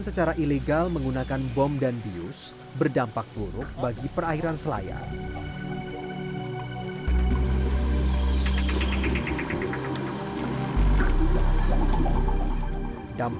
sebagai contoh kita juga memiliki perubahan